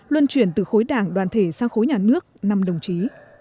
luân chuyển từ khối đảng đoàn thể sang khối nhà nước năm đồng chí